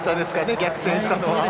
逆転したのは。